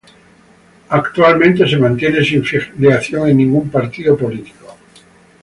Actualmente se mantiene sin filiación en ningún partido político.